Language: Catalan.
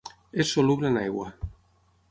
És soluble en aigua.